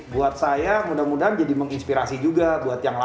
buat saya mudah mudahan jadi menginspirasi juga buat